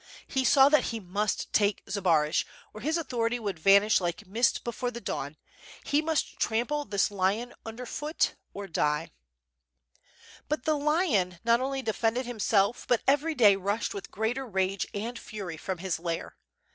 H« saw that he must take Zbaraj, or his authority would vanish like mist before the dawn, he must trample this lion under foot or die. 740 WITH FIRE AND SWORD. But the lion not only defended himself but every day rushed with greater rage and fury from his lair.